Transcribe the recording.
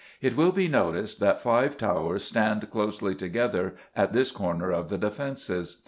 It will be noticed that five towers stand closely together at this corner of the defences.